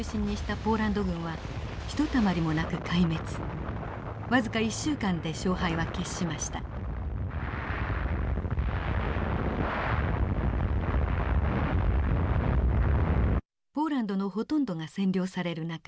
ポーランドのほとんどが占領される中